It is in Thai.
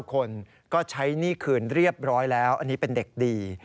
คนก็ใช้หนี้คืนเรียบร้อยแล้วอันนี้เป็นเด็กดี